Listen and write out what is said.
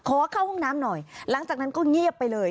ขอเข้าห้องน้ำหน่อยหลังจากนั้นก็เงียบไปเลย